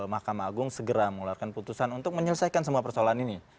mahkamah agung segera mengeluarkan putusan untuk menyelesaikan semua persoalan ini